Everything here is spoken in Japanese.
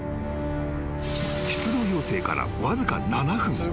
［出動要請からわずか７分］